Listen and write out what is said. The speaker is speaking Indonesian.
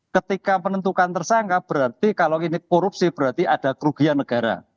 ketika penentukan tersangka berarti kalau ini korupsi berarti ada kerugian negara